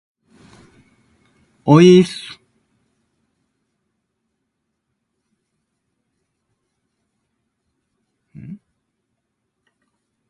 おいーっす